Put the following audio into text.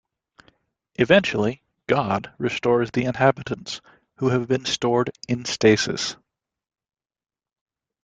Eventually "God" restores the inhabitants, who have been stored in stasis.